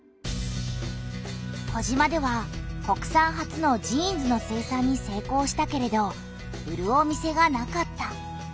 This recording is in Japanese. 児島では国産初のジーンズの生産に成功したけれど売るお店がなかった。